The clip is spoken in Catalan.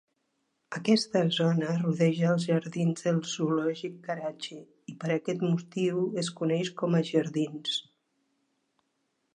Aquesta zona rodeja els jardins del zoològic Karachi i, per aquest motiu es coneix com a "Jardins".